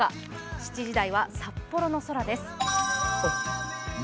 ７時台は札幌の空です。